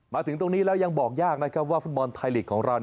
มาถึงตรงนี้แล้วยังบอกยากว่าฟุดมอลไทยฬิกส์ของเรา